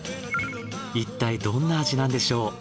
いったいどんな味なんでしょう。